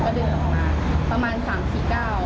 ก็เรียกว่าประมาณ๓๔เก้า